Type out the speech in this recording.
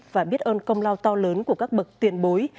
và biết ơn công lao to lớn của các bậc tiền bối